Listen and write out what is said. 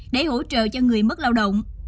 để hỗ trợ cho người mất lao động